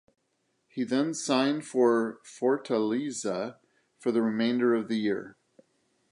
He then signed for Fortaleza for the remainder of the year.